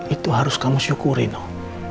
itu harus kamu syukuri dong